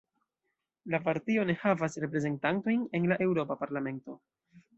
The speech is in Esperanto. La partio ne havas reprezentantojn en la Eŭropa Parlamento.